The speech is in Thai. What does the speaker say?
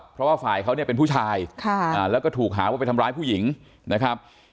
เพราะว่าฝ่ายเขาเนี่ยเป็นผู้ชายแล้วก็ถูกหาว่าไปทำร้ายผู้หญิงนะครับ